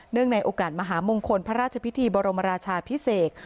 ในโอกาสมหามงคลพระราชพิธีบรมราชาพิเศษ